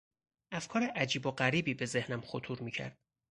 افکار عجیب و غریبی به ذهنم خطور میکرد.